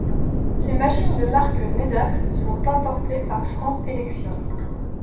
Ces machines de marque Nedap sont importées par France Election.